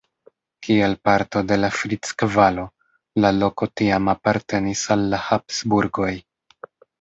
Kiel parto de la Frick-Valo, la loko tiam apartenis al la Habsburgoj.